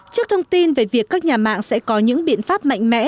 trước thông tin về việc các nhà mạng sẽ có những biện pháp mạnh mẽ